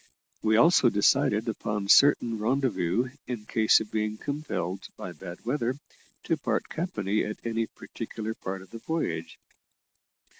We also decided upon certain rendezvous in case of being compelled, by bad weather, to part company at any particular part of the voyage.